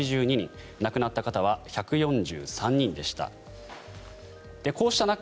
亡くなった方は１４３人でした。